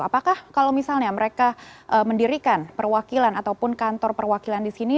apakah kalau misalnya mereka mendirikan perwakilan ataupun kantor perwakilan di sini